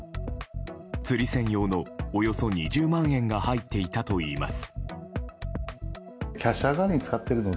釣り銭用のおよそ２０万円が入っていたといいます。